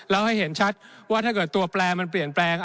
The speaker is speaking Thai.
แล้วให้เห็นชัดว่าถ้าเกิดตัวแปลมันเปลี่ยนแปลง